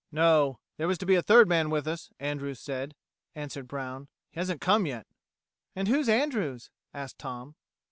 "No. There was to be a third man with us, Andrews said," answered Brown. "He hasn't come yet." "And who's Andrews?" asked Tom.